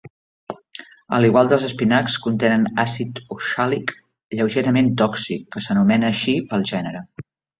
A l'igual dels espinacs, contenen àcid oxàlic lleugerament tòxic, que s'anomena així pel gènere.